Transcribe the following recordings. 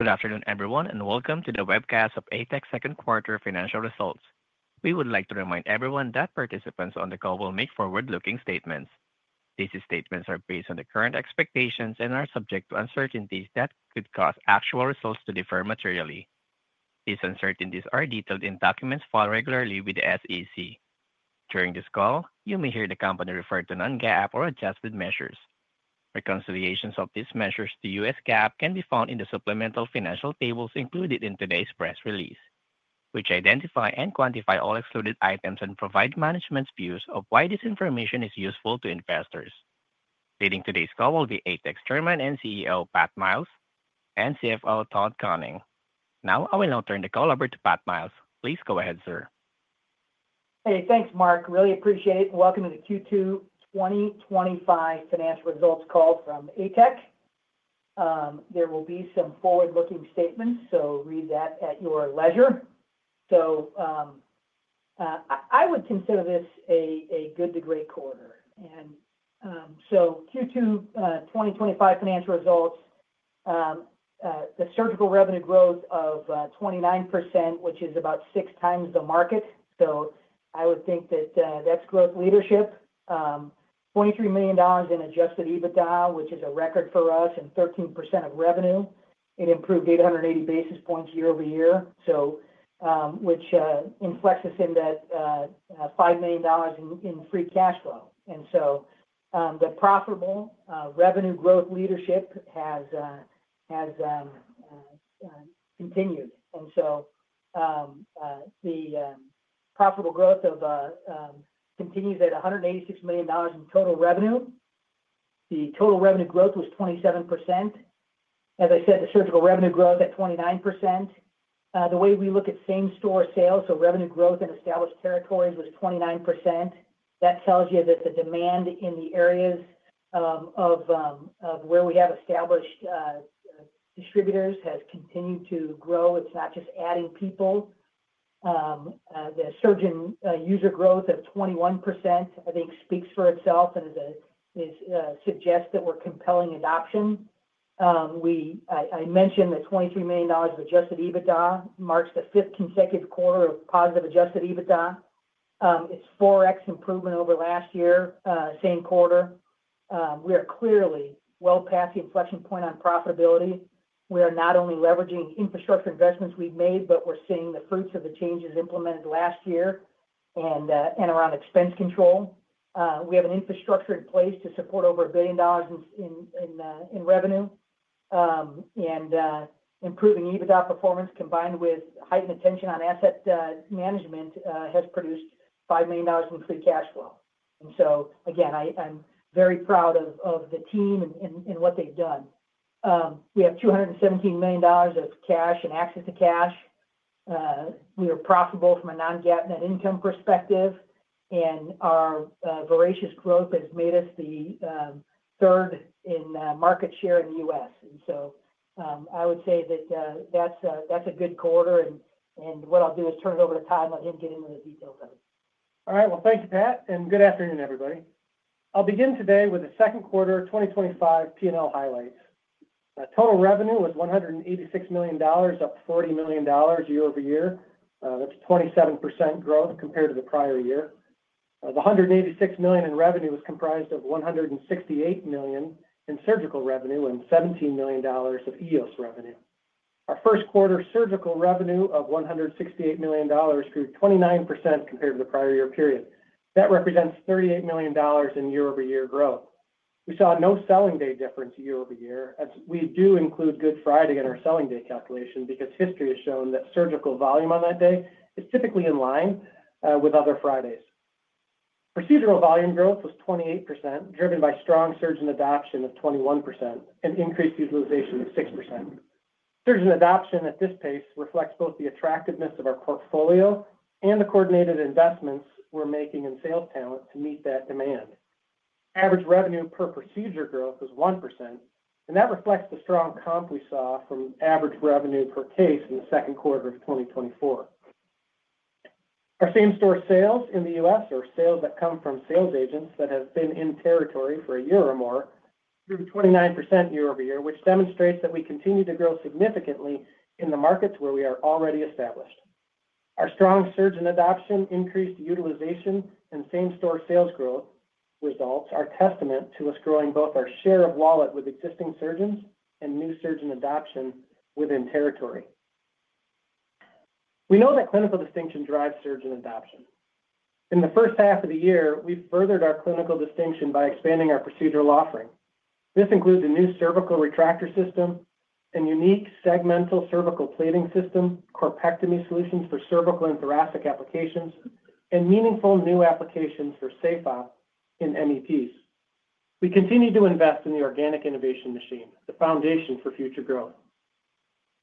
Good afternoon, everyone, and welcome to the webcast of ATEC's second quarter financial results. We would like to remind everyone that participants on the call will make forward-looking statements. These statements are based on the current expectations and are subject to uncertainties that could cause actual results to differ materially. These uncertainties are detailed in documents filed regularly with the SEC. During this call, you may hear the company refer to non-GAAP or adjusted measures. Reconciliations of these measures to U.S. GAAP can be found in the supplemental financial tables included in today's press release, which identify and quantify all excluded items and provide management's views of why this information is useful to investors. Leading today's call will be ATEC's Chairman and CEO, Pat Miles, and CFO, Todd Koning. Now, I will turn the call over to Pat Miles. Please go ahead, sir. Hey, thanks, Mark. Really appreciate it. Welcome to the Q2 2025 financial results call from ATEC. There will be some forward-looking statements, so read that at your leisure. I would consider this a good-to-great quarter. Q2 2025 financial results, the surgical revenue growth of 29%, which is about six times the market. I would think that that's growth leadership. $23 million in adjusted EBITDA, which is a record for us, and 13% of revenue. It improved 880 basis points year-over-year, which inflects us in that $5 million in free cash flow. The profitable revenue growth leadership has continued. The profitable growth continues at $186 million in total revenue. The total revenue growth was 27%. As I said, the surgical revenue growth at 29%. The way we look at same-store sales, revenue growth in established territories was 29%. That tells you that the demand in the areas where we have established distributors has continued to grow. It's not just adding people. The surge in user growth of 21% speaks for itself and suggests that we're compelling adoption. I mentioned that $23 million of adjusted EBITDA marks the fifth consecutive quarter of positive adjusted EBITDA. It's 4x improvement over last year, same quarter. We are clearly well past the inflection point on profitability. We are not only leveraging infrastructure investments we've made, but we're seeing the fruits of the changes implemented last year and around expense control. We have an infrastructure in place to support over $1 billion in revenue. Improving EBITDA performance combined with heightened attention on asset management has produced $5 million in free cash flow. Again, I'm very proud of the team and what they've done. We have $217 million of cash and access to cash. We are profitable from a non-GAAP net income perspective. Our voracious growth has made us the third in market share in the U.S. I would say that that's a good quarter. What I'll do is turn it over to Todd and let him get into the details of it. All right. Thank you, Pat, and good afternoon, everybody. I'll begin today with the second quarter 2025 P&L highlights. Total revenue was $186 million, up $40 million year-over-year. That's 27% growth compared to the prior year. The $186 million in revenue was comprised of $168 million in surgical revenue and $17 million of EOS revenue. Our first quarter surgical revenue of $168 million grew 29% compared to the prior year period. That represents $38 million in year-over-year growth. We saw no selling day difference year-over-year. We do include Good Friday in our selling day calculation because history has shown that surgical volume on that day is typically in line with other Fridays. Procedural volume growth was 28%, driven by strong surge in adoption of 21% and increased utilization of 6%. Surge in adoption at this pace reflects both the attractiveness of our portfolio and the coordinated investments we're making in sales talent to meet that demand. Average revenue per procedure growth was 1%, and that reflects the strong comp we saw from average revenue per case in the second quarter of 2024. Our same-store sales in the U.S., or sales that come from sales agents that have been in territory for a year or more, grew 29% year-over-year, which demonstrates that we continue to grow significantly in the markets where we are already established. Our strong surge in adoption, increased utilization, and same-store sales growth results are testament to us growing both our share of wallet with existing surgeons and new surge in adoption within territory. We know that clinical distinction drives surge in adoption. In the first half of the year, we furthered our clinical distinction by expanding our procedural offering. This includes a new cervical retractor system, a unique segmental cervical plating system, corpectomy solutions for cervical and thoracic applications, and meaningful new applications for SafeOp in MEPs. We continue to invest in the organic innovation machine, the foundation for future growth.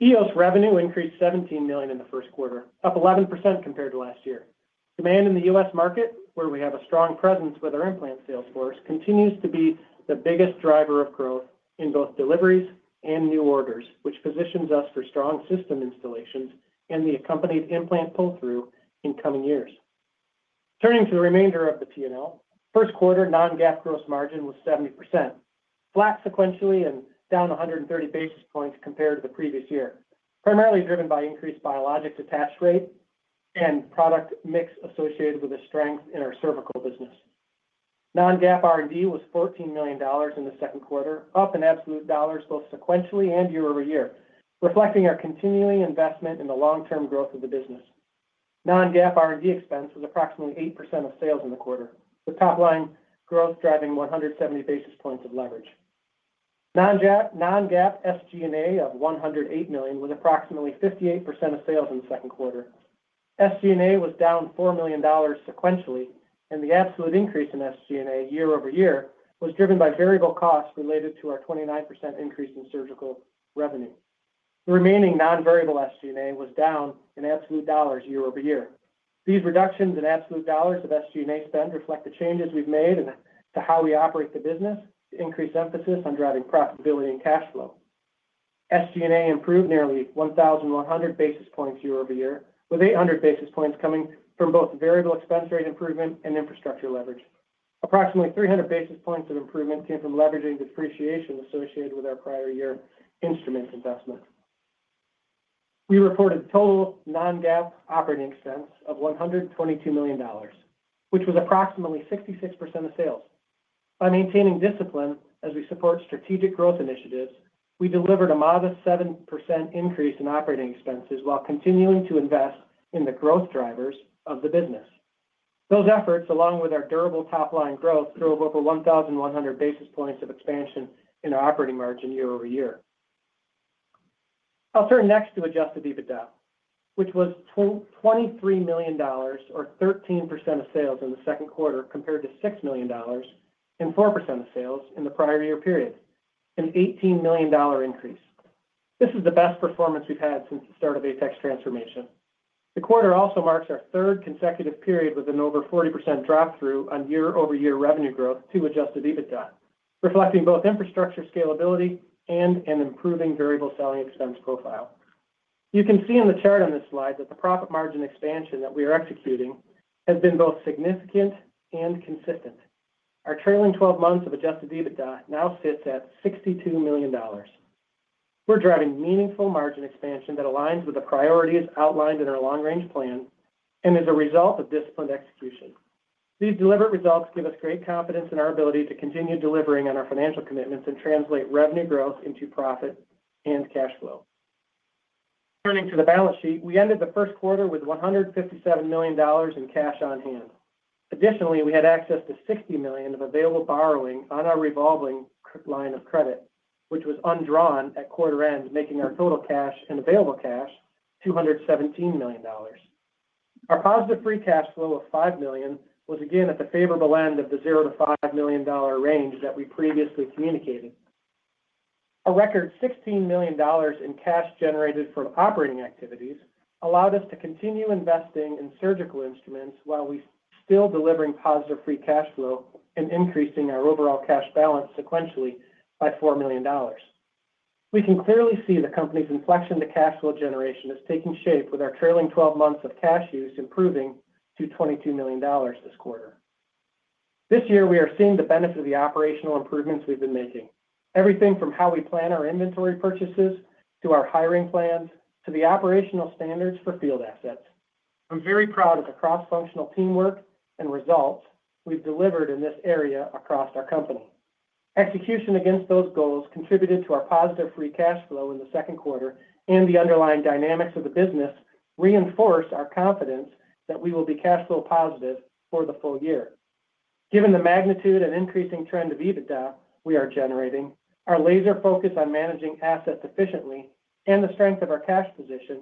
EOS revenue increased $17 million in the first quarter, up 11% compared to last year. Demand in the U.S. market, where we have a strong presence with our implant sales force, continues to be the biggest driver of growth in both deliveries and new orders, which positions us for strong system installations and the accompanied implant pull-through in coming years. Turning to the remainder of the P&L, first quarter non-GAAP gross margin was 70%. Flat sequentially and down 130 basis points compared to the previous year, primarily driven by increased biologics attach rate and product mix associated with a strength in our cervical business. Non-GAAP R&D was $14 million in the second quarter, up in absolute dollars both sequentially and year-over-year, reflecting our continuing investment in the long-term growth of the business. Non-GAAP R&D expense was approximately 8% of sales in the quarter, with top-line growth driving 170 basis points of leverage. Non-GAAP SG&A of $108 million was approximately 58% of sales in the second quarter. SG&A was down $4 million sequentially. The absolute increase in SG&A year-over-year was driven by variable costs related to our 29% increase in surgical revenue. The remaining non-variable SG&A was down in absolute dollars year-over-year. These reductions in absolute dollars of SG&A spend reflect the changes we've made to how we operate the business to increase emphasis on driving profitability and cash flow. SG&A improved nearly 1,100 basis points year-over-year, with 800 basis points coming from both variable expense rate improvement and infrastructure leverage. Approximately 300 basis points of improvement came from leveraging depreciation associated with our prior year instrument investment. We reported total non-GAAP operating expense of $122 million, which was approximately 66% of sales. By maintaining discipline as we support strategic growth initiatives, we delivered a modest 7% increase in operating expenses while continuing to invest in the growth drivers of the business. Those efforts, along with our durable top-line growth, drove over 1,100 basis points of expansion in our operating margin year-over-year. I'll turn next to adjusted EBITDA, which was $23 million, or 13% of sales in the second quarter compared to $6 million and 4% of sales in the prior year period, an $18 million increase. This is the best performance we've had since the start of ATEC's transformation. The quarter also marks our third consecutive period with an over 40% drop-through on year-over-year revenue growth to adjusted EBITDA, reflecting both infrastructure scalability and an improving variable selling expense profile. You can see in the chart on this slide that the profit margin expansion that we are executing has been both significant and consistent. Our trailing 12 months of adjusted EBITDA now sits at $62 million. We're driving meaningful margin expansion that aligns with the priorities outlined in our long-range plan and is a result of disciplined execution. These deliberate results give us great confidence in our ability to continue delivering on our financial commitments and translate revenue growth into profit and cash flow. Turning to the balance sheet, we ended the first quarter with $157 million in cash on hand. Additionally, we had access to $60 million of available borrowing on our revolving line of credit, which was undrawn at quarter end, making our total cash and available cash $217 million. Our positive free cash flow of $5 million was again at the favorable end of the $0-$5 million range that we previously communicated. A record $16 million in cash generated from operating activities allowed us to continue investing in surgical instruments while we still delivered positive free cash flow and increased our overall cash balance sequentially by $4 million. We can clearly see the company's inflection to cash flow generation is taking shape with our trailing 12 months of cash use improving to $22 million this quarter. This year, we are seeing the benefit of the operational improvements we've been making, everything from how we plan our inventory purchases to our hiring plans to the operational standards for field assets. I'm very proud of the cross-functional teamwork and results we've delivered in this area across our company. Execution against those goals contributed to our positive free cash flow in the second quarter, and the underlying dynamics of the business reinforce our confidence that we will be cash flow positive for the full year. Given the magnitude and increasing trend of EBITDA we are generating, our laser focus on managing assets efficiently, and the strength of our cash position,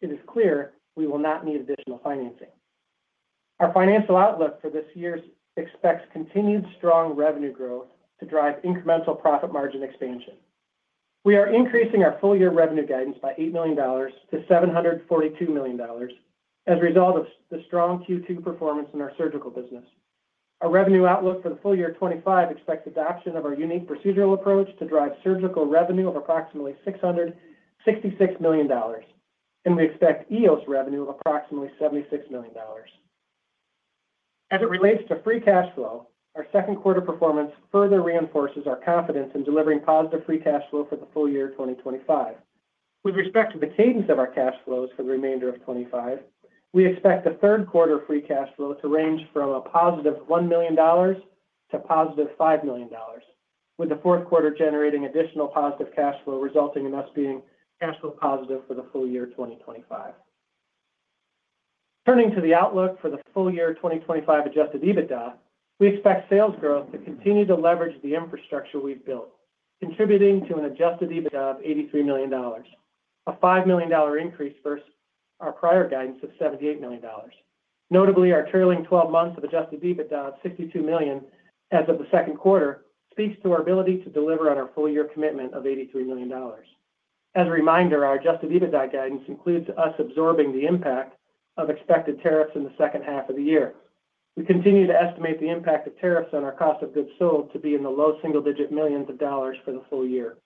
it is clear we will not need additional financing. Our financial outlook for this year expects continued strong revenue growth to drive incremental profit margin expansion. We are increasing our full-year revenue guidance by $8 million to $742 million as a result of the strong Q2 performance in our surgical business. Our revenue outlook for the full year 2025 expects adoption of our unique procedural approach to drive surgical revenue of approximately $666 million. We expect EOS revenue of approximately $76 million. As it relates to free cash flow, our second quarter performance further reinforces our confidence in delivering positive free cash flow for the full year 2025. With respect to the cadence of our cash flows for the remainder of 2025, we expect the third quarter free cash flow to range from a +$1 million to +$5 million, with the fourth quarter generating additional positive cash flow, resulting in us being cash flow positive for the full year 2025. Turning to the outlook for the full year 2025 adjusted EBITDA, we expect sales growth to continue to leverage the infrastructure we've built, contributing to an adjusted EBITDA of $83 million, a $5 million increase versus our prior guidance of $78 million. Notably, our trailing 12 months of adjusted EBITDA of $62 million as of the second quarter speaks to our ability to deliver on our full-year commitment of $83 million. As a reminder, our adjusted EBITDA guidance includes us absorbing the impact of expected tariffs in the second half of the year. We continue to estimate the impact of tariffs on our cost of goods sold to be in the low single-digit millions of dollars for the full year.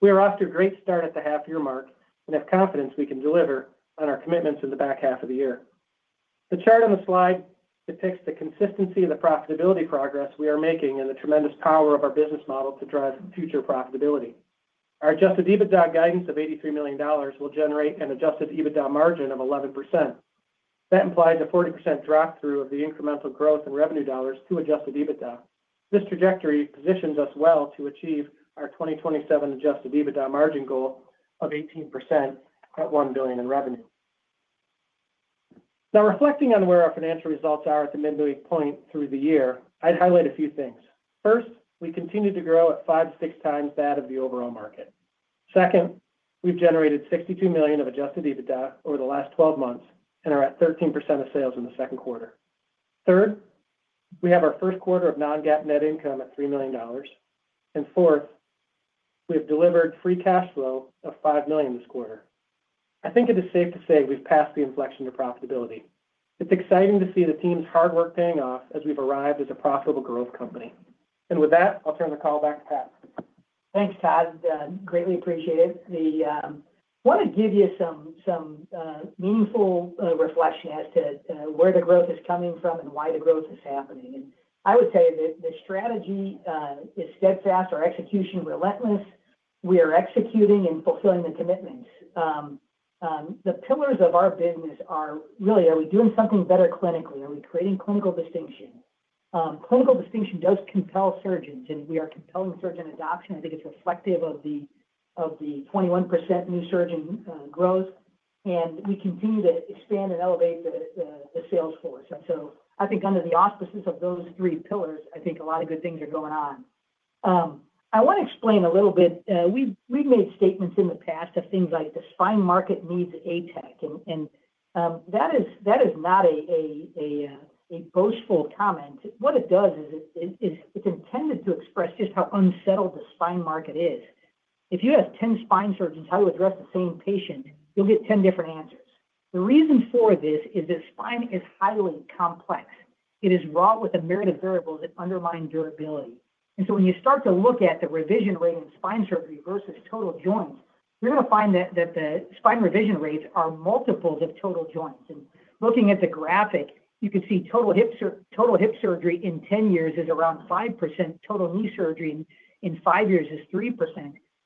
We are off to a great start at the half-year mark and have confidence we can deliver on our commitments in the back half of the year. The chart on the slide depicts the consistency of the profitability progress we are making and the tremendous power of our business model to drive future profitability. Our adjusted EBITDA guidance of $83 million will generate an adjusted EBITDA margin of 11%. That implies a 40% drop-through of the incremental growth in revenue dollars to adjusted EBITDA. This trajectory positions us well to achieve our 2027 adjusted EBITDA margin goal of 18% at $1 billion in revenue. Now, reflecting on where our financial results are at the midway point through the year, I'd highlight a few things. First, we continue to grow at five to six times that of the overall market. Second, we've generated $62 million of adjusted EBITDA over the last 12 months and are at 13% of sales in the second quarter. Third, we have our first quarter of non-GAAP net income at $3 million. Fourth, we have delivered free cash flow of $5 million this quarter. I think it is safe to say we've passed the inflection to profitability. It's exciting to see the team's hard work paying off as we've arrived as a profitable growth company. With that, I'll turn the call back to Pat. Thanks, Todd. Greatly appreciate it. I want to give you some meaningful reflection as to where the growth is coming from and why the growth is happening. I would say that the strategy is steadfast. Our execution is relentless. We are executing and fulfilling the commitments. The pillars of our business are really, are we doing something better clinically? Are we creating clinical distinction? Clinical distinction does compel surgeons, and we are compelling surgeon adoption. I think it's reflective of the 21% new surgeon growth. We continue to expand and elevate the sales force. I think under the auspices of those three pillars, a lot of good things are going on. I want to explain a little bit. We've made statements in the past of things like the spine market needs ATEC. That is not a boastful comment. What it does is it's intended to express just how unsettled the spine market is. If you have 10 spine surgeons, how do you address the same patient? You'll get 10 different answers. The reason for this is that spine is highly complex. It is wrought with a myriad of variables that undermine durability. When you start to look at the revision rate in spine surgery versus total joints, you're going to find that the spine revision rates are multiples of total joints. Looking at the graphic, you could see total hip surgery in 10 years is around 5%. Total knee surgery in five years is 3%.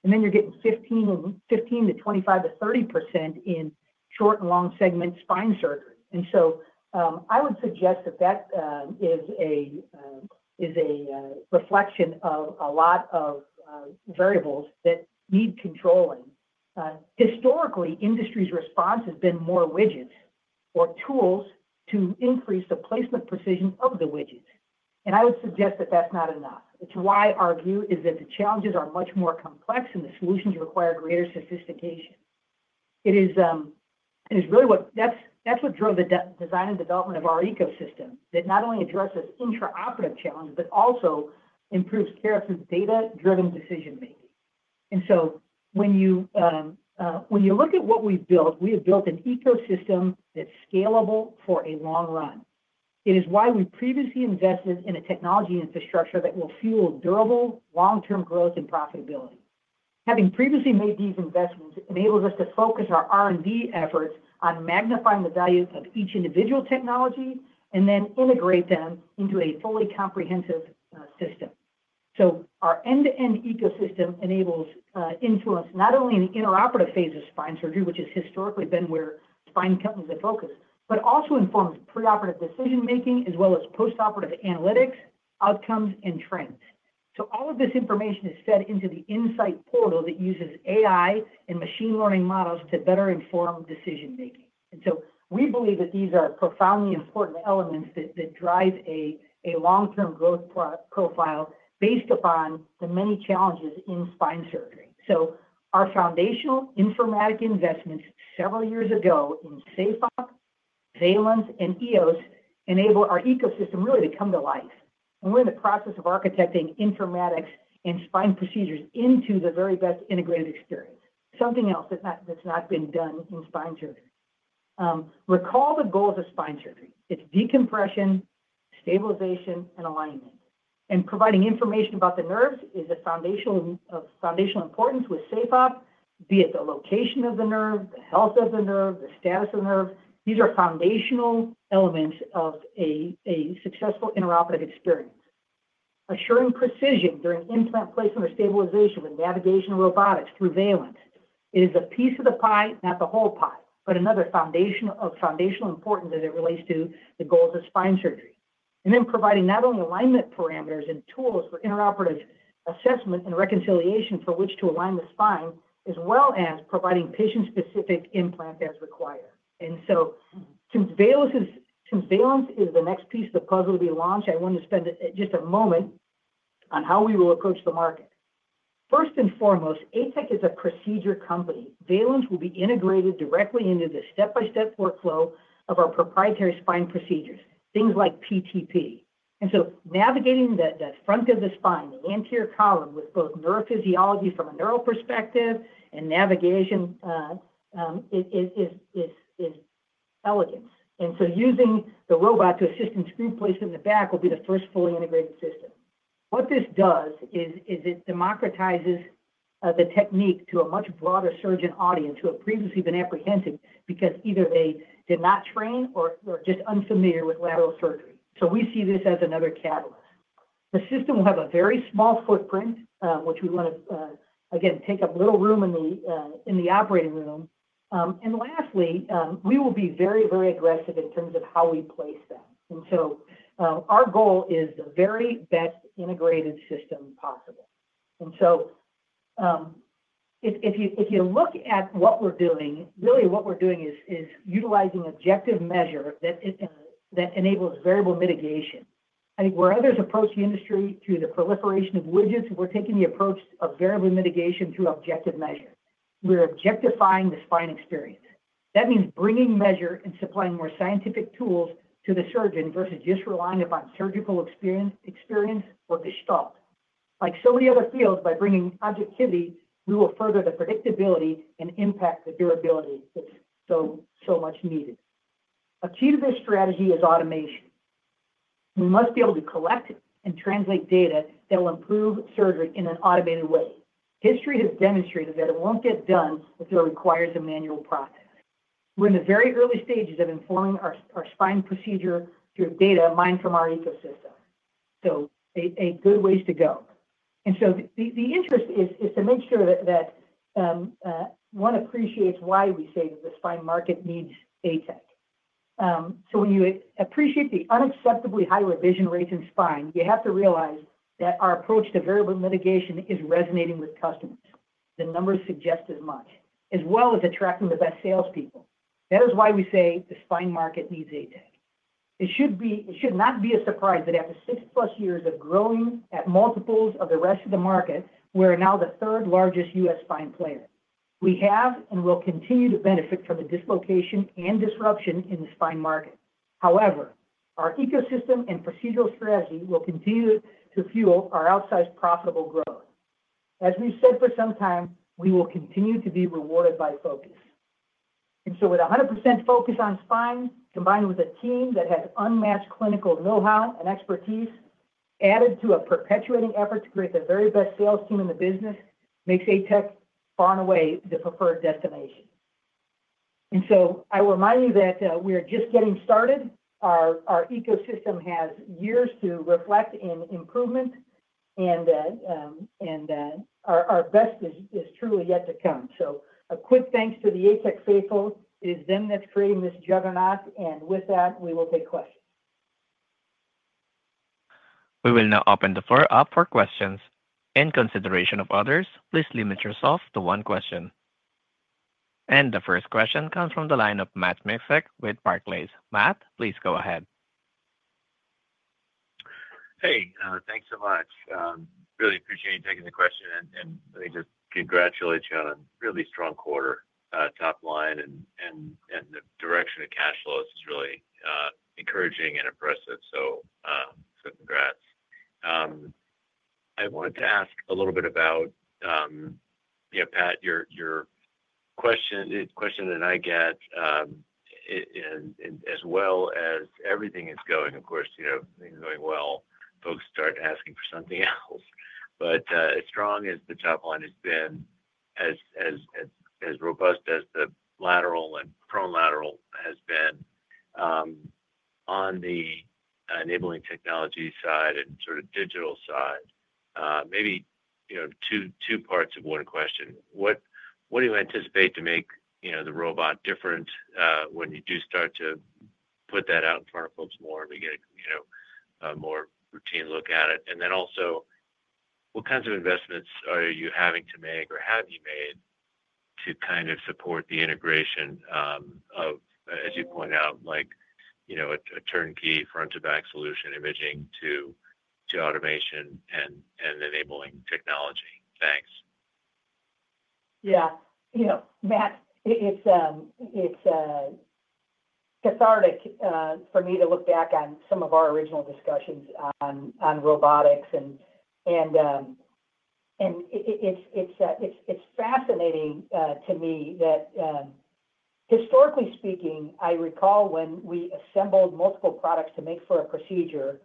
Then you're getting 15% to 25% to 30% in short and long segment spine surgery. I would suggest that that is a reflection of a lot of variables that need controlling. Historically, industry's response has been more widgets or tools to increase the placement precision of the widgets. I would suggest that that's not enough. It's why our view is that the challenges are much more complex and the solutions require greater sophistication. It is really what drove the design and development of our ecosystem, that not only addresses intraoperative challenges but also improves care through data-driven decision-making. When you look at what we've built, we have built an ecosystem that's scalable for a long run. It is why we previously invested in a technology infrastructure that will fuel durable long-term growth and profitability. Having previously made these investments enables us to focus our R&D efforts on magnifying the value of each individual technology and then integrate them into a fully comprehensive system. Our end-to-end ecosystem enables influence not only in the intraoperative phase of spine surgery, which has historically been where spine companies have focused, but also informs preoperative decision-making as well as postoperative analytics, outcomes, and trends. All of this information is fed into the Insight portal that uses AI and machine learning models to better inform decision-making. We believe that these are profoundly important elements that drive a long-term growth profile based upon the many challenges in spine surgery. Our foundational informatic investments several years ago in SafeOp, Valence, and EOS enable our ecosystem really to come to life. We are in the process of architecting informatics and spine procedures into the very best integrated experience, something else that's not been done in spine surgery. Recall the goals of spine surgery: decompression, stabilization, and alignment. Providing information about the nerves is of foundational importance with SafeOp, be it the location of the nerve, the health of the nerve, the status of the nerve. These are foundational elements of a successful intraoperative experience. Assuring precision during implant placement or stabilization with navigation robotics through Valence is a piece of the pie, not the whole pie, but another foundation of foundational importance as it relates to the goals of spine surgery. Providing not only alignment parameters and tools for intraoperative assessment and reconciliation for which to align the spine, as well as providing patient-specific implants as required, is also critical. Since Valence is the next piece of the puzzle to be launched, I wanted to spend just a moment on how we will approach the market. First and foremost, ATEC is a procedure company. Valence will be integrated directly into the step-by-step workflow of our proprietary spine procedures, things like PTP. Navigating the front of the spine, the anterior column with both neurophysiology from a neural perspective and navigation, is elegance. Using the robot to assist in screw placement in the back will be the first fully integrated system. What this does is it democratizes the technique to a much broader surgeon audience who have previously been apprehensive because either they did not train or are just unfamiliar with lateral surgery. We see this as another catalyst. The system will have a very small footprint, which we want to, again, take up little room in the operating room. Lastly, we will be very, very aggressive in terms of how we place them. Our goal is the very best integrated system possible. If you look at what we're doing, really what we're doing is utilizing objective measure that enables variable mitigation. I think where others approach the industry through the proliferation of widgets, we're taking the approach of variable mitigation through objective measure. We're objectifying the spine experience. That means bringing measure and supplying more scientific tools to the surgeon versus just relying upon surgical experience or gestalt. Like so many other fields, by bringing objectivity, we will further the predictability and impact the durability that's so much needed. A key to this strategy is automation. We must be able to collect and translate data that will improve surgery in an automated way. History has demonstrated that it won't get done if it requires a manual process. We're in the very early stages of informing our spine procedure through data mined from our ecosystem, so a good ways to go. The interest is to make sure that one appreciates why we say that the spine market needs ATEC. When you appreciate the unacceptably high revision rates in spine, you have to realize that our approach to variable mitigation is resonating with customers. The numbers suggest as much, as well as attracting the best salespeople. That is why we say the spine market needs ATEC. It should not be a surprise that after six-plus years of growing at multiples of the rest of the market, we are now the third largest U.S. spine player. We have and will continue to benefit from the dislocation and disruption in the spine market. However, our ecosystem and procedural strategy will continue to fuel our outsized profitable growth. As we've said for some time, we will continue to be rewarded by focus. With 100% focus on spine, combined with a team that has unmatched clinical know-how and expertise, added to a perpetuating effort to create the very best sales team in the business, makes ATEC far and away the preferred destination. I will remind you that we are just getting started. Our ecosystem has years to reflect in improvement, and our best is truly yet to come. A quick thanks to the ATEC faithful. It is them that's creating this juggernaut. With that, we will take questions. We will now open the floor up for questions. In consideration of others, please limit yourself to one question. The first question comes from the line of Matt Miksic with Barclays. Matt, please go ahead. Hey, thanks so much. Really appreciate you taking the question. Let me just congratulate you on a really strong quarter. Top line and the direction of cash flows is really encouraging and impressive. Congrats. I wanted to ask a little bit about, you know, Pat, your question that I get, as well as everything is going, of course, you know, things are going well. Folks start asking for something else. As strong as the top line has been, as robust as the lateral and prone lateral has been on the enabling technology side and sort of digital side, maybe two parts of one question. What do you anticipate to make the robot different when you do start to put that out in front of folks more and we get a more routine look at it? Also, what kinds of investments are you having to make or have you made to support the integration of, as you point out, like a turnkey front-to-back solution imaging to automation and enabling technology? Thanks. Yeah. You know, Matt, it's cathartic for me to look back on some of our original discussions on robotics. It's fascinating to me that, historically speaking, I recall when we assembled multiple products to make for a procedure,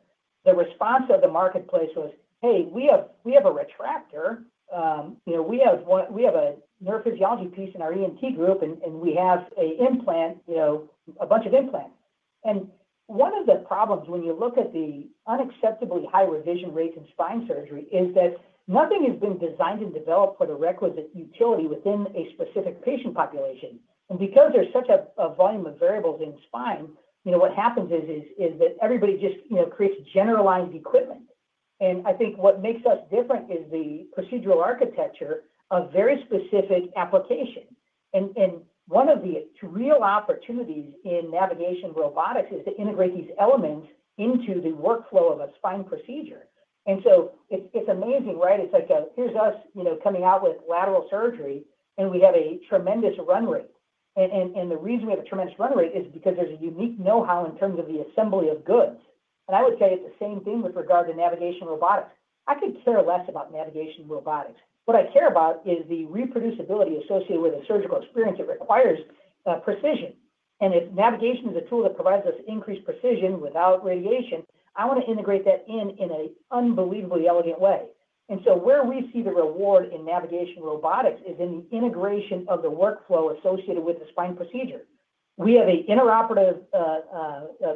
the response of the marketplace was, "Hey, we have a retractor. We have a neurophysiology piece in our ENT group, and we have an implant, a bunch of implants." One of the problems when you look at the unacceptably high revision rates in spine surgery is that nothing has been designed and developed for the requisite utility within a specific patient population. Because there's such a volume of variables in spine, what happens is that everybody just creates generalized equipment. I think what makes us different is the procedural architecture of very specific applications. One of the real opportunities in navigation robotics is to integrate these elements into the workflow of a spine procedure. It's amazing, right? It's like, here's us coming out with lateral surgery, and we have a tremendous run rate. The reason we have a tremendous run rate is because there's a unique know-how in terms of the assembly of goods. I would tell you the same thing with regard to navigation robotics. I could care less about navigation robotics. What I care about is the reproducibility associated with a surgical experience that requires precision. If navigation is a tool that provides us increased precision without radiation, I want to integrate that in an unbelievably elegant way. Where we see the reward in navigation robotics is in the integration of the workflow associated with the spine procedure. We have an intraoperative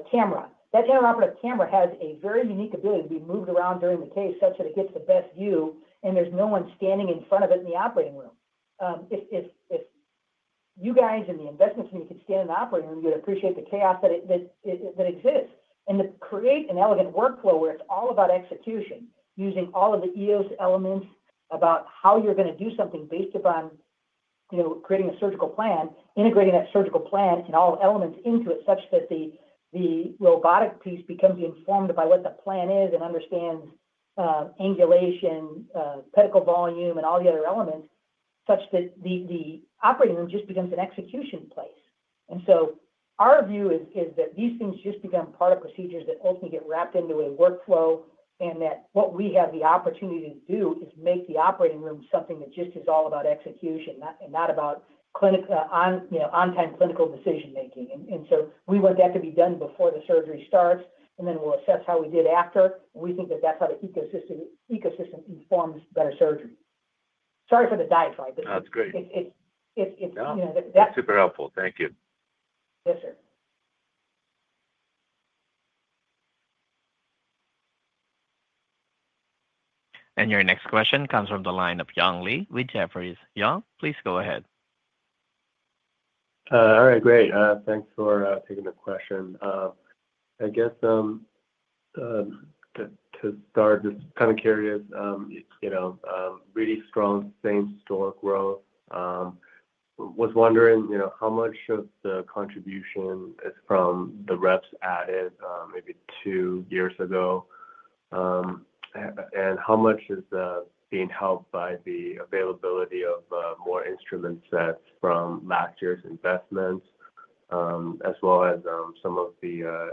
camera. That intraoperative camera has a very unique ability to be moved around during the case such that it gets the best view, and there's no one standing in front of it in the operating room. If you guys in the investment team could stand in the operating room, you'd appreciate the chaos that exists. To create an elegant workflow where it's all about execution using all of the EOS elements. About how you're going to do something based upon, you know, creating a surgical plan, integrating that surgical plan and all elements into it such that the robotic piece becomes informed by what the plan is and understands angulation, pedicle volume, and all the other elements such that the operating room just becomes an execution place. Our view is that these things just become part of procedures that ultimately get wrapped into a workflow and that what we have the opportunity to do is make the operating room something that just is all about execution and not about on-time clinical decision-making. We want that to be done before the surgery starts, and then we'll assess how we did after. We think that that's how the ecosystem informs better surgery. Sorry for the diatribe. No, that's great. You know. That's super helpful. Thank you. Yes, sir. Your next question comes from the line of Young Li with Jefferies. Young, please go ahead. All right. Great. Thanks for taking the question. I guess to start, just kind of curious, you know, really strong same-store growth. I was wondering, you know, how much of the contribution is from the reps added maybe two years ago? How much is being helped by the availability of more instrument sets from last year's investments, as well as some of the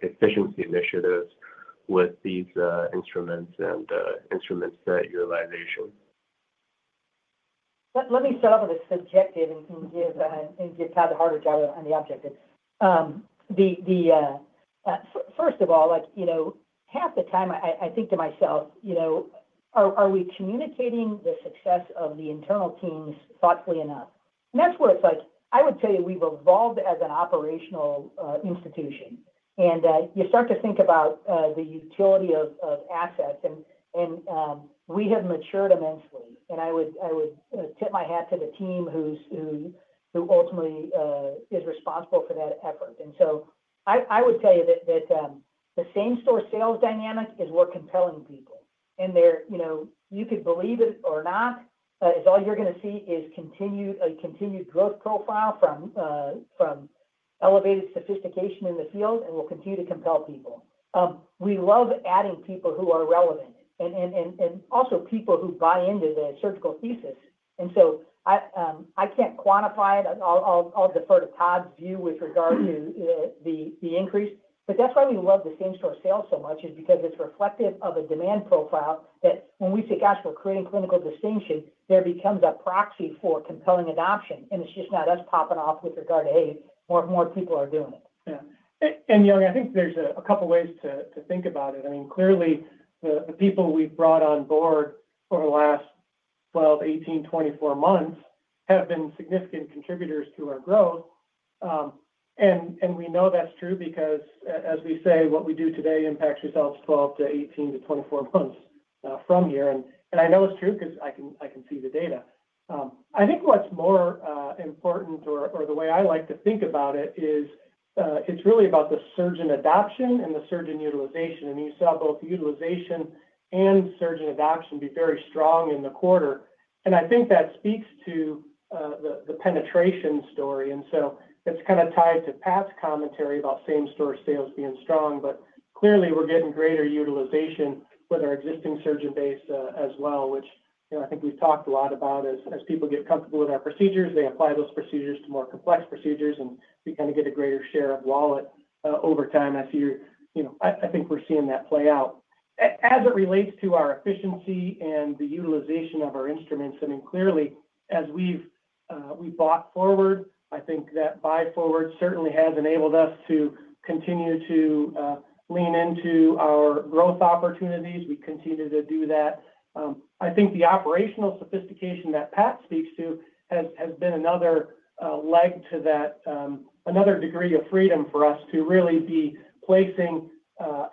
efficiency initiatives with these instruments and instrument set utilization? Let me start off with the subjective and give Todd the harder job on the objective. First of all, half the time, I think to myself, you know, are we communicating the success of the internal teams thoughtfully enough? That's where it's like, I would tell you we've evolved as an operational institution. You start to think about the utility of assets, and we have matured immensely. I would tip my hat to the team who ultimately is responsible for that effort. I would tell you that the same-store sales dynamic is we're compelling people. You could believe it or not, all you're going to see is a continued growth profile from elevated sophistication in the field and will continue to compel people. We love adding people who are relevant and also people who buy into the surgical thesis. I can't quantify it. I'll defer to Todd's view with regard to the increase. That's why we love the same-store sales so much, because it's reflective of a demand profile that when we say, "Gosh, we're creating clinical distinction," there becomes a proxy for compelling adoption. It's just now that's popping off with regard to, "Hey, more people are doing it. Yeah. Yong, I think there's a couple of ways to think about it. Clearly, the people we've brought on board over the last 12, 18, 24 months have been significant contributors to our growth. We know that's true because, as we say, what we do today impacts results 12 to 18 to 24 months from here. I know it's true because I can see the data. I think what's more important, or the way I like to think about it, is it's really about the surgeon adoption and the surgeon utilization. You saw both utilization and surgeon adoption be very strong in the quarter. I think that speaks to the penetration story. It's kind of tied to Pat's commentary about same-store sales being strong. Clearly, we're getting greater utilization with our existing surgeon base as well, which I think we've talked a lot about. As people get comfortable with our procedures, they apply those procedures to more complex procedures, and we get a greater share of wallet over time. I think we're seeing that play out. As it relates to our efficiency and the utilization of our instruments, clearly, as we've bought forward, I think that buy forward certainly has enabled us to continue to lean into our growth opportunities. We continue to do that. I think the operational sophistication that Pat speaks to has been another leg to that, another degree of freedom for us to really be placing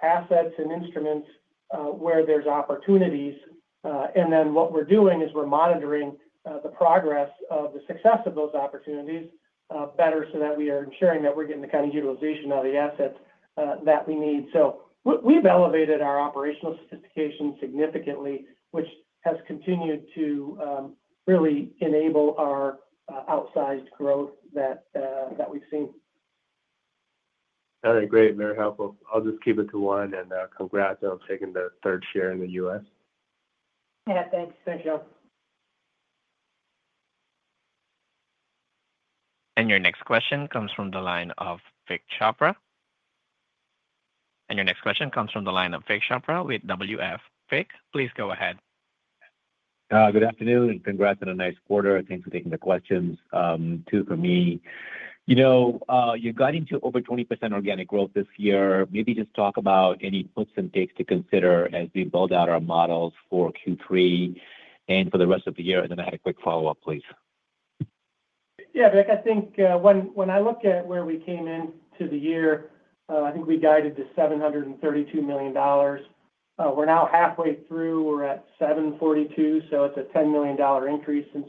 assets and instruments where there's opportunities. What we're doing is we're monitoring the progress of the success of those opportunities better so that we are ensuring that we're getting the kind of utilization out of the assets that we need. We've elevated our operational sophistication significantly, which has continued to really enable our outsized growth that we've seen. All right. Great. Very helpful. I'll just keep it to one. Congrats on taking the third share in the U.S. Yeah, thanks. Thanks, Yong. Your next question comes from the line of Vik Chopra with Wells Fargo. Vik, please go ahead. Good afternoon. Congrats on a nice quarter. Thanks for taking the questions. Two for me. You got into over 20% organic growth this year. Maybe just talk about any puts and takes to consider as we build out our models for Q3 and for the rest of the year. I had a quick follow-up, please. Yeah, Vik, I think when I look at where we came into the year, I think we guided to $732 million. We're now halfway through. We're at $742 million. It's a $10 million increase since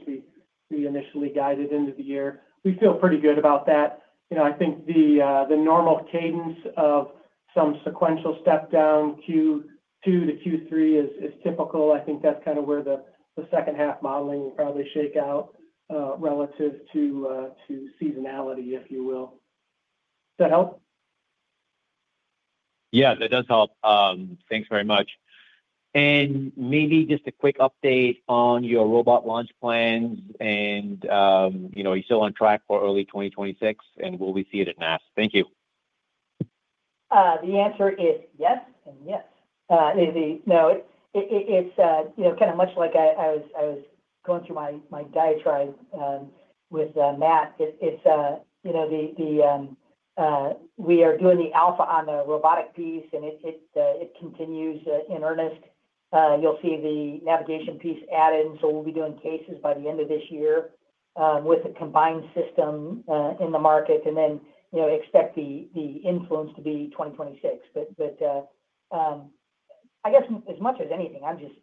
we initially guided into the year. We feel pretty good about that. I think the normal cadence of some sequential step-down Q2 to Q3 is typical. I think that's kind of where the second half modeling will probably shake out relative to seasonality, if you will. Does that help? Yeah, that does help. Thanks very much. Maybe just a quick update on your robot launch plans. Are you still on track for early 2026? Will we see it at NASS? Thank you. The answer is yes and yes. No, it's kind of much like I was going through my diatribe with Matt. It's, you know, we are doing the alpha on the robotic piece, and it continues in earnest. You'll see the navigation piece add-in. We'll be doing cases by the end of this year with a combined system in the market. You know, expect the influence to be 2026. I guess as much as anything, I'm just,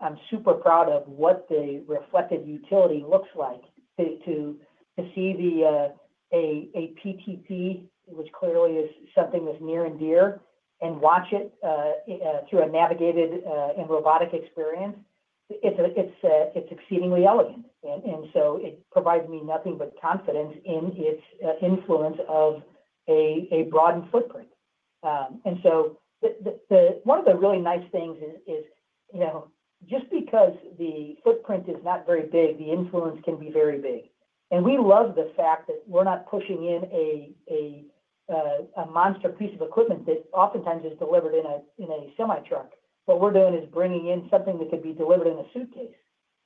I'm super proud of what the reflected utility looks like to see a PTP, which clearly is something that's near and dear, and watch it through a navigated and robotic experience. It's exceedingly elegant. It provides me nothing but confidence in its influence of a broadened footprint. One of the really nice things is, you know, just because the footprint is not very big, the influence can be very big. We love the fact that we're not pushing in a monster piece of equipment that oftentimes is delivered in a semi-truck. What we're doing is bringing in something that could be delivered in a suitcase.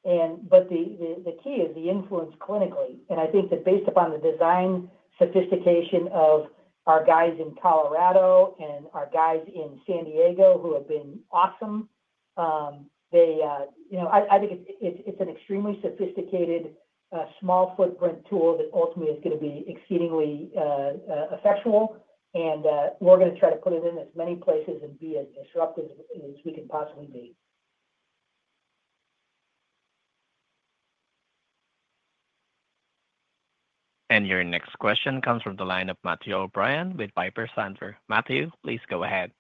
The key is the influence clinically. I think that based upon the design sophistication of our guys in Colorado and our guys in San Diego, who have been awesome, I think it's an extremely sophisticated, small footprint tool that ultimately is going to be exceedingly effectual. We're going to try to put it in as many places and be as disruptive as we can possibly be. Your next question comes from the line of Matthew O'Brien with Piper Sandler. Matthew, please go ahead.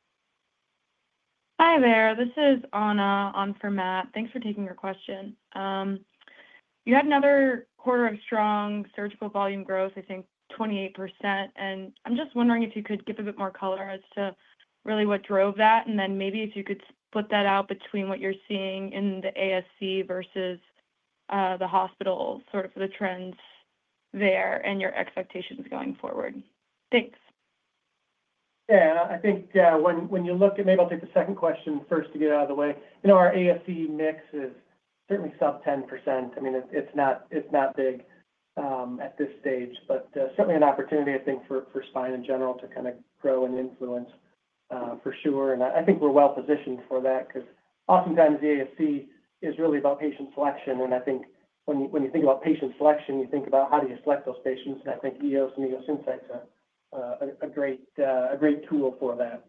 Hi there. This is Anna on for Matt. Thanks for taking your question. You had another quarter of strong surgical volume growth, I think 28%. I'm just wondering if you could give a bit more color as to really what drove that. Maybe if you could split that out between what you're seeing in the ASC versus the hospital, sort of for the trends there and your expectations going forward. Thanks. I think when you look at maybe I'll take the second question first to get it out of the way. Our ASC mix is certainly sub 10%. It's not big at this stage, but certainly an opportunity, I think, for spine in general to grow and influence for sure. I think we're well positioned for that because oftentimes the ASC is really about patient selection. When you think about patient selection, you think about how do you select those patients. I think EOS and the EOS Insights are a great tool for that.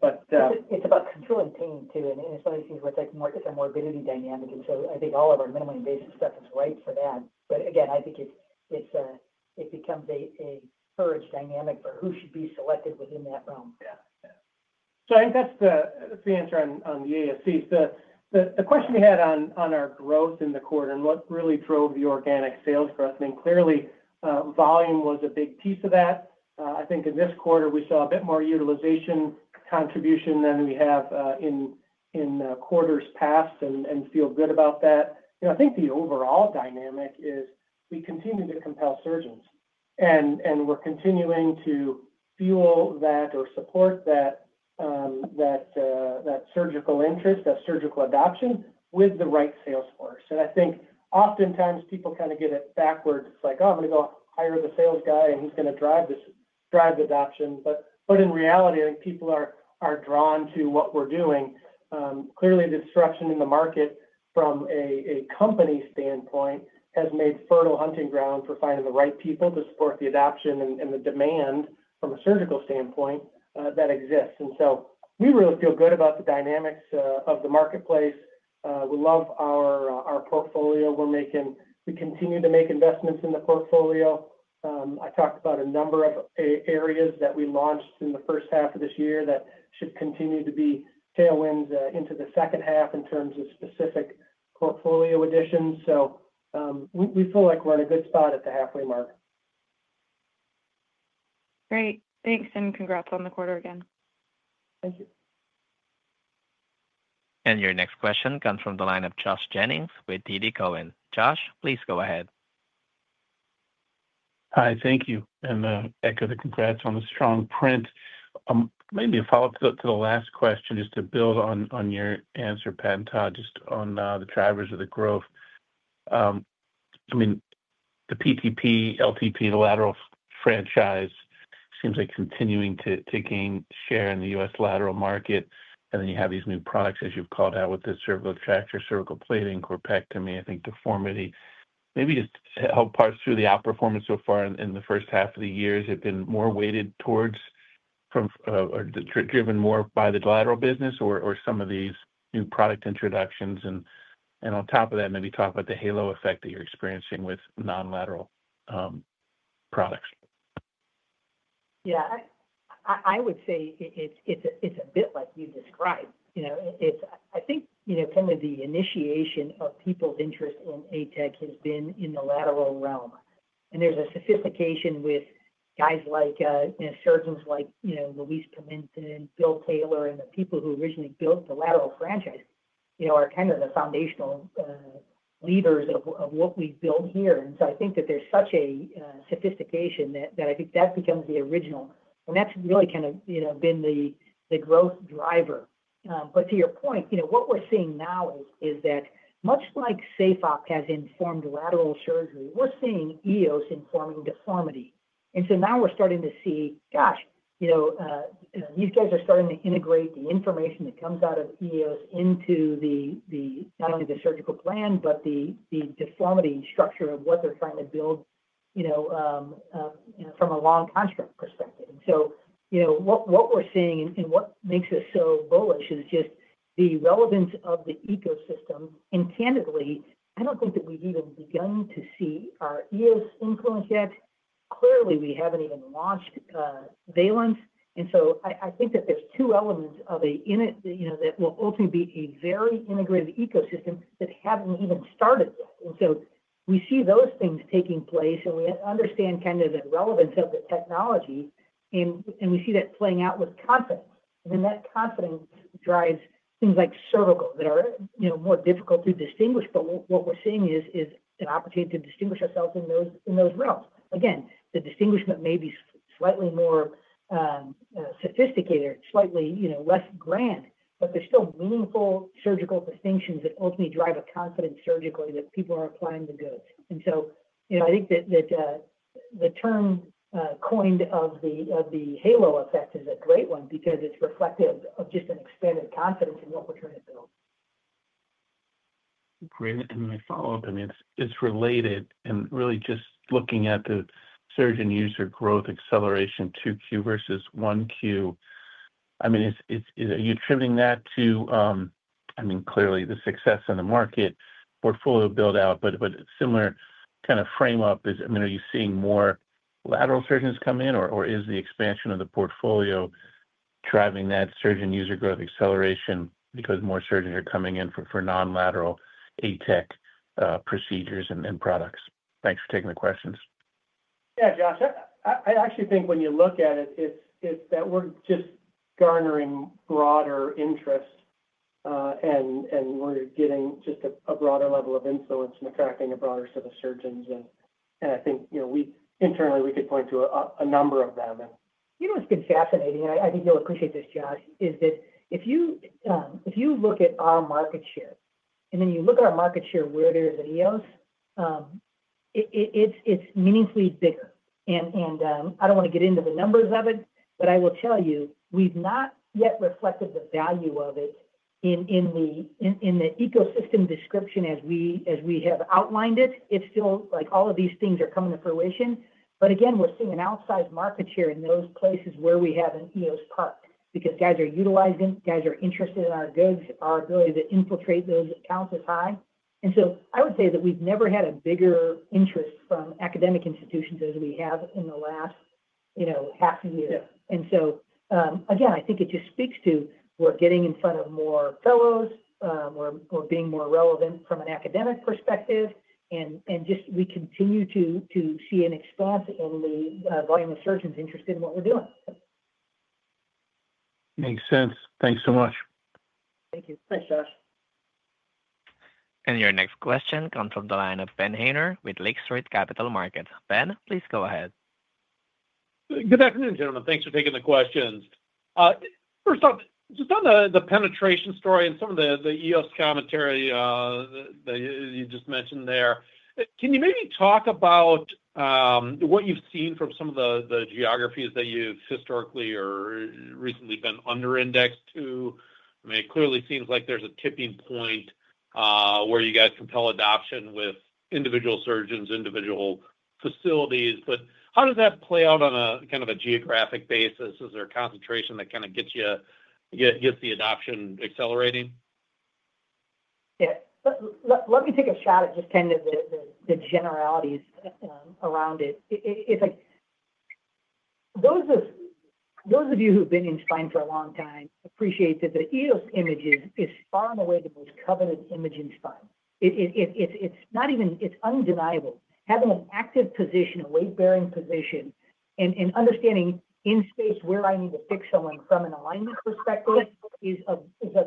It's about control and pain, too. It's one of these things where it's like it's a morbidity dynamic. I think all of our minimally invasive stuff is right for that. I think it becomes a purge dynamic for who should be selected within that realm. Yeah. Yeah. I think that's the answer on the ASC. The question you had on our growth in the quarter and what really drove the organic sales growth, clearly, volume was a big piece of that. I think in this quarter, we saw a bit more utilization contribution than we have in quarters past and feel good about that. I think the overall dynamic is we continue to compel surgeons. We're continuing to fuel that or support that surgical interest, that surgical adoption with the right sales force. I think oftentimes people kind of get it backwards. It's like, "Oh, I'm going to go hire the sales guy, and he's going to drive the adoption." In reality, I think people are drawn to what we're doing. Clearly, the disruption in the market from a company standpoint has made fertile hunting ground for finding the right people to support the adoption and the demand from a surgical standpoint that exists. We really feel good about the dynamics of the marketplace. We love our portfolio. We continue to make investments in the portfolio. I talked about a number of areas that we launched in the first half of this year that should continue to be tailwinds into the second half in terms of specific portfolio additions. We feel like we're in a good spot at the halfway mark. Great. Thanks. Congrats on the quarter again. Thank you. Your next question comes from the line of Josh Jennings with TD Cowen. Josh, please go ahead. Hi. Thank you. Echo the congrats on the strong print. Maybe a follow-up to the last question just to build on your answer, Pat and Todd, just on the drivers of the growth. I mean, the PTP, LTP, the lateral franchise seems like continuing to gain share in the U.S. lateral market. You have these new products, as you've called out, with the cervical retractor, segmental cervical plating, corpectomy, I think deformity. Maybe just help parse through the outperformance so far in the first half of the year. It's been more weighted towards or driven more by the lateral business or some of these new product introductions. On top of that, maybe talk about the halo effect that you're experiencing with non-lateral products. Yeah. I would say it's a bit like you described. I think the initiation of people's interest in ATEC has been in the lateral realm. There's a sophistication with surgeons like Luiz Pimenta, Bill Taylor, and the people who originally built the lateral franchise, who are kind of the foundational leaders of what we build here. I think that there's such a sophistication that becomes the original, and that's really been the growth driver. To your point, what we're seeing now is that much like SafeOp has informed lateral surgery, we're seeing EOS informing deformity. Now we're starting to see these guys are starting to integrate the information that comes out of EOS into not only the surgical plan, but the deformity structure of what they're trying to build from a long construct perspective. What we're seeing and what makes us so bullish is just the relevance of the ecosystem. Candidly, I don't think that we've even begun to see our EOS influence yet. Clearly, we haven't even launched Valence. I think that there are two elements that will ultimately be a very integrated ecosystem that haven't even started yet. We see those things taking place, and we understand the relevance of the technology. We see that playing out with confidence. That confidence drives things like cervical that are more difficult to distinguish. What we're seeing is an opportunity to distinguish ourselves in those realms. Again, the distinguishment may be slightly more sophisticated, slightly less grand, but there are still meaningful surgical distinctions that ultimately drive a confidence surgically that people are applying to goods. I think that the term coined of the halo effect is a great one because it's reflective of just an expanded confidence in what we're trying to build. Great. My follow-up is related. Really just looking at the surgeon user growth acceleration 2Q versus 1Q, are you attributing that to the success in the market portfolio build-out? A similar kind of frame-up is, are you seeing more lateral surgeons come in, or is the expansion of the portfolio driving that surgeon user growth acceleration because more surgeons are coming in for non-lateral ATEC procedures and products? Thanks for taking the questions. Yeah, Josh. I actually think when you look at it, it's that we're just garnering broader interest, and we're getting just a broader level of influence and attracting a broader set of surgeons. I think we internally, we could point to a number of them. You know what's been fascinating? I think you'll appreciate this, Josh, if you look at our market share, and then you look at our market share where there's an EOS, it's meaningfully bigger. I don't want to get into the numbers of it, but I will tell you, we've not yet reflected the value of it in the ecosystem description as we have outlined it. It's still like all of these things are coming to fruition. We're seeing an outsized market share in those places where we have an EOS part because guys are utilizing it. Guys are interested in our goods. Our ability to infiltrate those accounts is high. I would say that we've never had a bigger interest from academic institutions as we have in the last, you know, half a year. I think it just speaks to we're getting in front of more fellows. We're being more relevant from an academic perspective. We continue to see an expanse in the volume of surgeons interested in what we're doing. Makes sense. Thanks so much. Thank you. Thanks, Josh. Your next question comes from the line of Ben Haynor with Lake Street Capital Markets. Ben, please go ahead. Good afternoon, gentlemen. Thanks for taking the questions. First off, just on the penetration story and some of the EOS commentary that you just mentioned there, can you maybe talk about what you've seen from some of the geographies that you've historically or recently been under-indexed to? It clearly seems like there's a tipping point where you guys compel adoption with individual surgeons, individual facilities. How does that play out on a kind of a geographic basis? Is there a concentration that gets you the adoption accelerating? Yeah. Let me take a shot at just kind of the generalities around it. Those of you who've been in spine for a long time appreciate that the EOS image is far and away the most coveted image in spine. It's not even, it's undeniable. Having an active position, a weight-bearing position, and understanding in space where I need to fix someone from an alignment perspective is of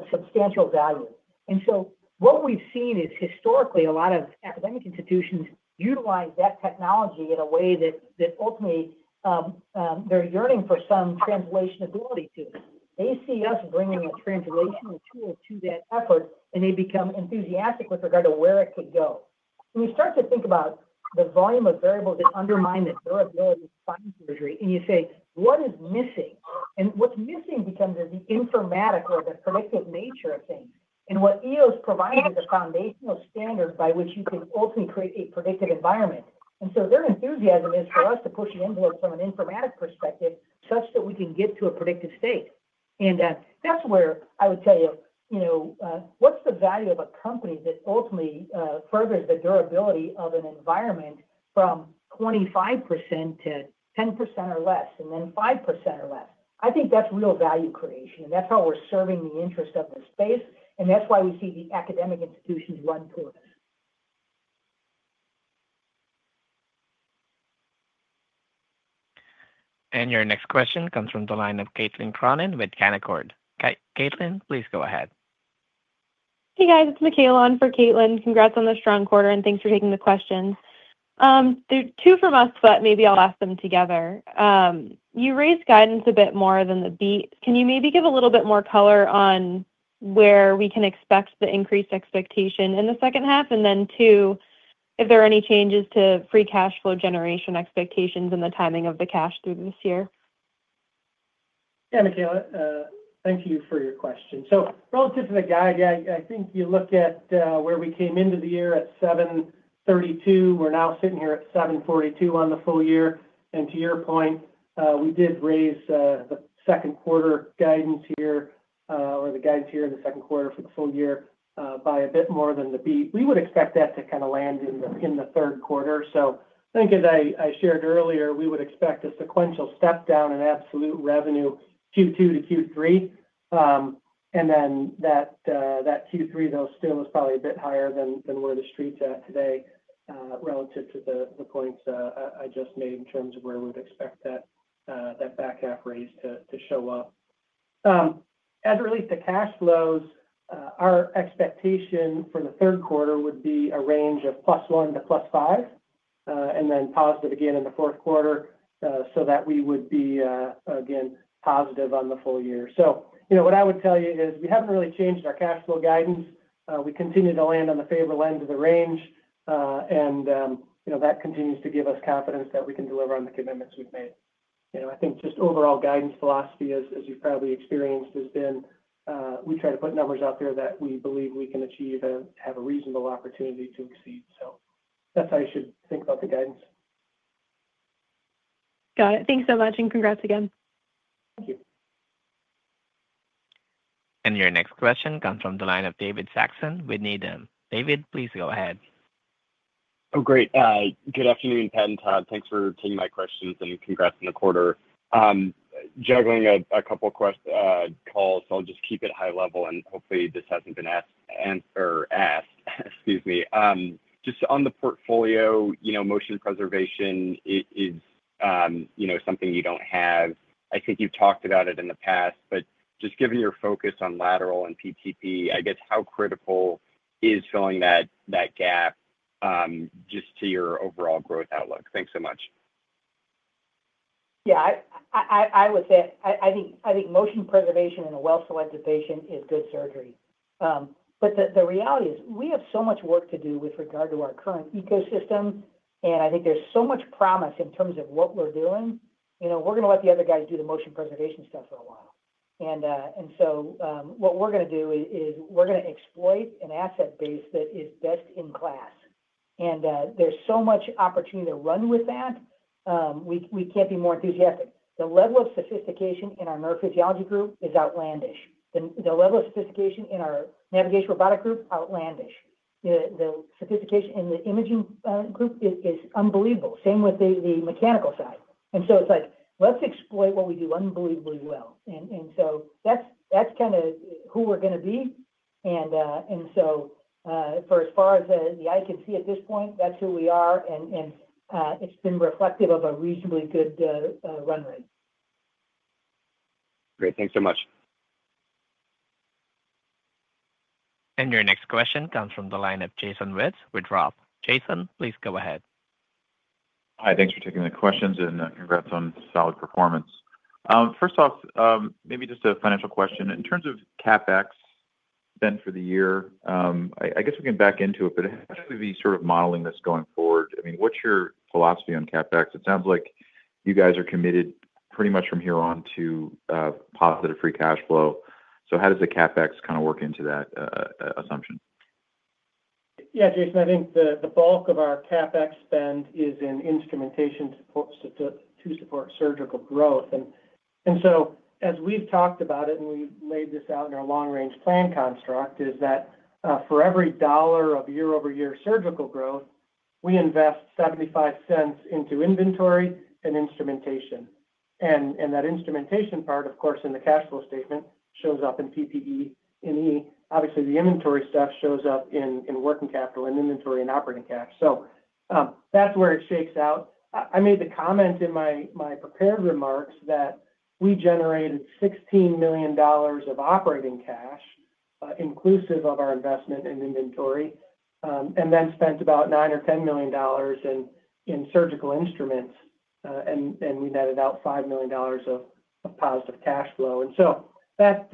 substantial value. What we've seen is historically, a lot of academic institutions utilize that technology in a way that ultimately they're yearning for some translation ability to it. They see us bringing a translational tool to that effort, and they become enthusiastic with regard to where it could go. You start to think about the volume of variables that undermine the durability of spine surgery, and you say, "What is missing?" What's missing becomes the informatic or the predictive nature of things. What EOS provides is a foundational standard by which you can ultimately create a predictive environment. Their enthusiasm is for us to push the envelope from an informatic perspective such that we can get to a predictive state. That's where I would tell you, you know, what's the value of a company that ultimately furthers the durability of an environment from 25% to 10% or less, and then 5% or less? I think that's real value creation. That's how we're serving the interest of the space. That's why we see the academic institutions run toward us. Your next question comes from the line of Caitlin Cronin with Canaccord. Caitlin, please go ahead. Hey, guys. It's Michaela on for Caitlin. Congrats on the strong quarter, and thanks for taking the questions. There are two from us, but maybe I'll ask them together. You raised guidance a bit more than the beat. Can you maybe give a little bit more color on where we can expect the increased expectation in the second half? If there are any changes to free cash flow generation expectations and the timing of the cash through this year? Yeah, Michaela, thank you for your question. Relative to the guide, I think you look at where we came into the year at $732 million. We're now sitting here at $742 million on the full year. To your point, we did raise the second quarter guidance here, or the guidance here in the second quarter for the full year by a bit more than the beat. We would expect that to kind of land in the third quarter. I think, as I shared earlier, we would expect a sequential step-down in absolute revenue Q2 to Q3. That Q3, though, still is probably a bit higher than where the street's at today relative to the points I just made in terms of where we would expect that back half raise to show up. As it relates to cash flows, our expectation for the third quarter would be a range of +$1 million to +$5 million, and then positive again in the fourth quarter so that we would be, again, positive on the full year. What I would tell you is we haven't really changed our cash flow guidance. We continue to land on the favorable end of the range, and that continues to give us confidence that we can deliver on the commitments we've made. I think just overall guidance philosophy, as you've probably experienced, has been we try to put numbers out there that we believe we can achieve and have a reasonable opportunity to exceed. That's how you should think about the guidance. Got it. Thanks so much. Congrats again. Thank you. Your next question comes from the line of David Saxon with Needham. David, please go ahead. Oh, great. Good afternoon, Pat and Todd. Thanks for taking my questions and congrats on the quarter. I'm juggling a couple of question calls, so I'll just keep it high level. Hopefully, this hasn't been asked. Just on the portfolio, you know, motion preservation is, you know, something you don't have. I think you've talked about it in the past. Just given your focus on lateral and PTP, I guess how critical is filling that gap just to your overall growth outlook? Thanks so much. I would say I think motion preservation in a well-selected patient is good surgery. The reality is we have so much work to do with regard to our current ecosystem. I think there's so much promise in terms of what we're doing. We're going to let the other guys do the motion preservation stuff for a while. What we're going to do is exploit an asset base that is best in class. There's so much opportunity to run with that. We can't be more enthusiastic. The level of sophistication in our neurophysiology group is outlandish. The level of sophistication in our navigation robotic group is outlandish. The sophistication in the imaging group is unbelievable. Same with the mechanical side. It's like, let's exploit what we do unbelievably well. That's kind of who we're going to be. For as far as the eye can see at this point, that's who we are. It's been reflective of a reasonably good run rate. Great, thanks so much. Your next question comes from the line of Jason Wittes with ROTH. Jason, please go ahead. Hi. Thanks for taking the questions and congrats on solid performance. First off, maybe just a financial question. In terms of CapEx then for the year, I guess we can back into it, but how should we be sort of modeling this going forward? I mean, what's your philosophy on CapEx? It sounds like you guys are committed pretty much from here on to positive free cash flow. How does the CapEx kind of work into that assumption? Yeah, Jason, I think the bulk of our CapEx spend is in instrumentation to support surgical growth. As we've talked about it and we've laid this out in our long-range plan construct, for every dollar of year-over-year surgical growth, we invest $0.75 into inventory and instrumentation. That instrumentation part, of course, in the cash flow statement shows up in PPE. Obviously, the inventory stuff shows up in working capital and inventory and operating cash. That's where it shakes out. I made the comment in my prepared remarks that we generated $16 million of operating cash, inclusive of our investment in inventory, and then spent about $9 million or $10 million in surgical instruments. We netted out $5 million of positive cash flow. That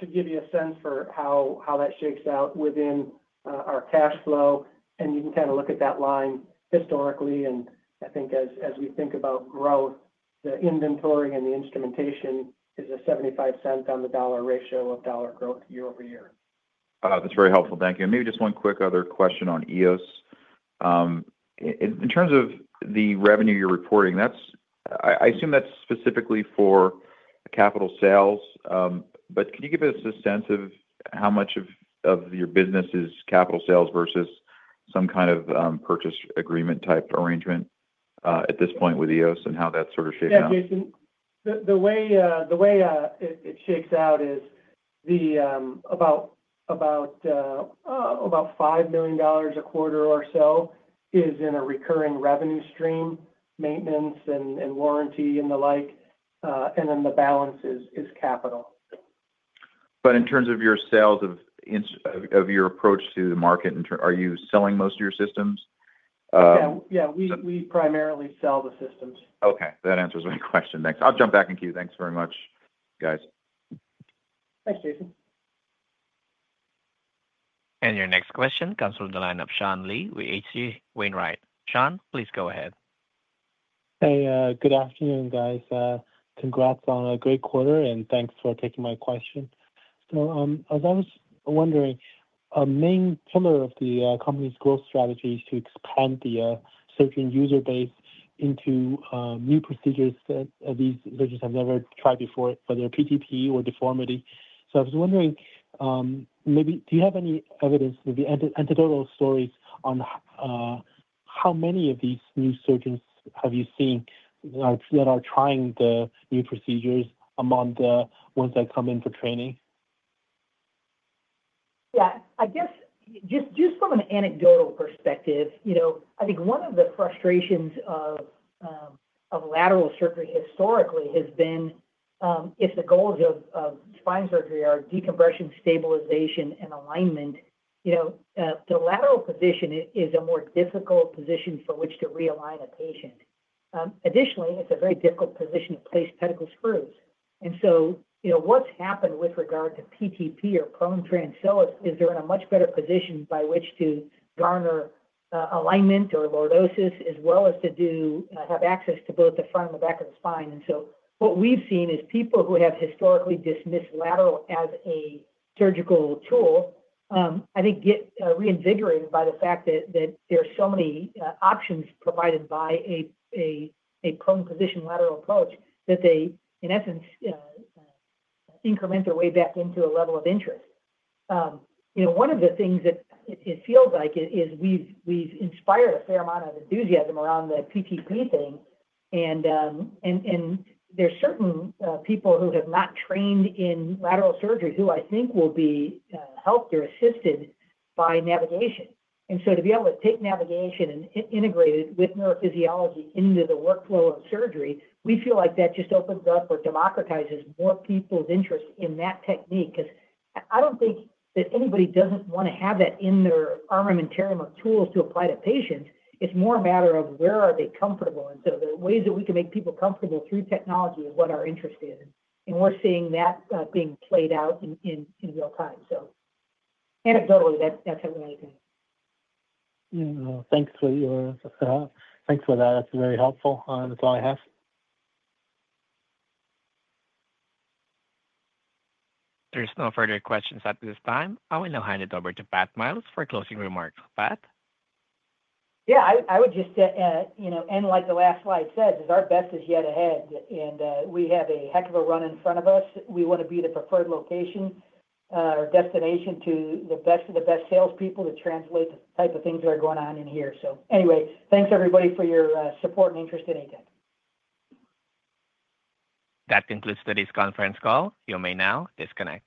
should give you a sense for how that shakes out within our cash flow. You can kind of look at that line historically. I think as we think about growth, the inventory and the instrumentation is a $0.75 on the dollar ratio of dollar growth year-over-year. That's very helpful. Thank you. Maybe just one quick other question on EOS. In terms of the revenue you're reporting, I assume that's specifically for capital sales. Can you give us a sense of how much of your business is capital sales versus some kind of purchase agreement type arrangement at this point with EOS and how that's sort of shaken out? Yeah, Jason, the way it shakes out is about $5 million a quarter or so is in a recurring revenue stream, maintenance and warranty and the like, and then the balance is capital. In terms of your sales, of your approach to the market, are you selling most of your systems? Yeah, we primarily sell the systems. Okay. That answers my question. Thanks. I'll jump back in queue. Thanks very much, guys. Thanks, Jason. Your next question comes from the line of Sean Lee with H.C. Wainwright. Sean, please go ahead. Hey, good afternoon, guys. Congrats on a great quarter, and thanks for taking my question. A main pillar of the company's growth strategy is to expand the surgeon user base into new procedures that these surgeons have never tried before, whether PTP or deformity. I was wondering, do you have any evidence, maybe anecdotal stories on how many of these new surgeons have you seen that are trying the new procedures among the ones that come in for training? Yeah. I guess just from an anecdotal perspective, I think one of the frustrations of lateral surgery historically has been if the goals of spine surgery are decompression, stabilization, and alignment, the lateral position is a more difficult position for which to realign a patient. Additionally, it's a very difficult position to place pedicle screws. What's happened with regard to PTP or prone transpsoas is they're in a much better position by which to garner alignment or lordosis, as well as to have access to both the front and the back of the spine. What we've seen is people who have historically dismissed lateral as a surgical tool, I think, get reinvigorated by the fact that there are so many options provided by a prone position lateral approach that they, in essence, increment their way back into a level of interest. One of the things that it feels like is we've inspired a fair amount of enthusiasm around the PTP thing. There are certain people who have not trained in lateral surgery who I think will be helped or assisted by navigation. To be able to take navigation and integrate it with neurophysiology into the workflow of surgery, we feel like that just opens up or democratizes more people's interest in that technique. I don't think that anybody doesn't want to have that in their armamentarium of tools to apply to patients. It's more a matter of where are they comfortable. The ways that we can make people comfortable through technology is what our interest is. We're seeing that being played out in real time. Anecdotally, that's how we're looking at it. Thank you for that. That's very helpful. That's all I have. There's no further questions at this time. I will now hand it over to Pat Miles for closing remarks. Pat? I would just end like the last slide says, our best is yet ahead. We have a heck of a run in front of us. We want to be the preferred location or destination to the best of the best salespeople to translate the type of things that are going on in here. Anyway, thanks, everybody, for your support and interest in ATEC. That concludes today's conference call. You may now disconnect.